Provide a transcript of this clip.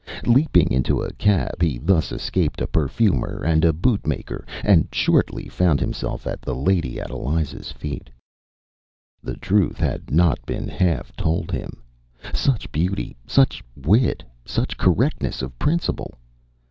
Leaping into a cab, he thus escaped a perfumer and a bootmaker, and shortly found himself at the Lady Adeliza’s feet. The truth had not been half told him. Such beauty, such wit, such correctness of principle!